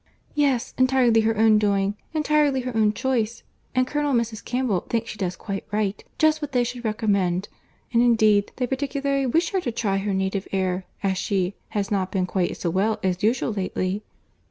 "Yes—entirely her own doing, entirely her own choice; and Colonel and Mrs. Campbell think she does quite right, just what they should recommend; and indeed they particularly wish her to try her native air, as she has not been quite so well as usual lately."